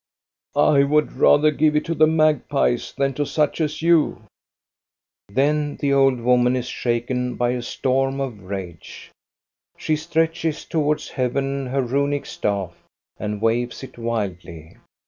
I would rather give it to the magpies than to such as you." * THE WITCH OF DOVRE 301 Then the old woman is shaken by a storm of rage. She stretches towards heaven her runic staff and waves it wildly.